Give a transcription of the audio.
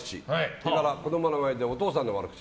それから子供の前でお父さんの悪口。